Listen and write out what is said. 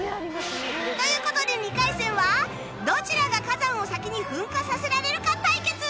という事で２回戦はどちらが火山を先に噴火させられるか対決